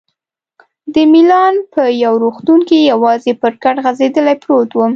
د میلان په یو روغتون کې یوازې پر کټ غځېدلی پروت وم.